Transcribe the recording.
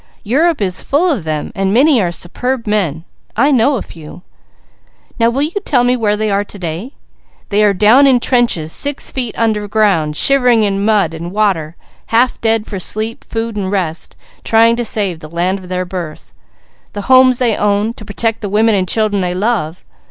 Europe is full of them, and many are superb men. I know a few. Now will you tell me where they are to day? They are down in trenches six feet under ground, shivering in mud and water, half dead for sleep, food, and rest, trying to save the land of their birth, the homes they own, to protect the women and children they love.